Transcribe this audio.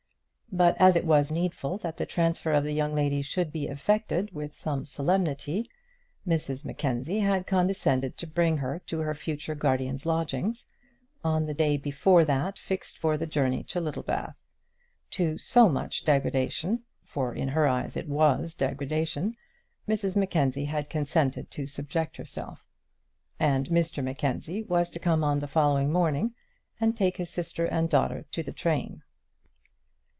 But as it was needful that the transfer of the young lady should be effected with some solemnity, Mrs Mackenzie had condescended to bring her to her future guardian's lodgings on the day before that fixed for the journey to Littlebath. To so much degradation for in her eyes it was degradation Mrs Mackenzie had consented to subject herself; and Mr Mackenzie was to come on the following morning, and take his sister and daughter to the train.